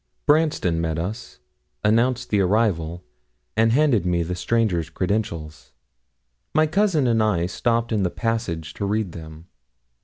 Branston met us, announced the arrival, and handed me the stranger's credentials. My cousin and I stopped in the passage to read them.